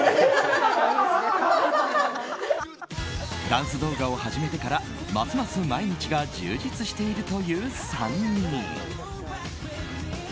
ダンス動画を始めてからますます毎日が充実しているという３人。